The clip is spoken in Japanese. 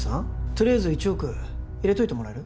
とりあえず１億入れといてもらえる？